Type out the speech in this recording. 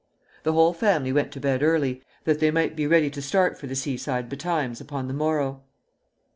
The whole family went to bed early, that they might be ready to start for the seaside betimes upon the morrow.